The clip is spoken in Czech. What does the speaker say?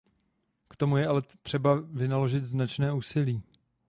K tomu je ale třeba vynaložit značné úsilí.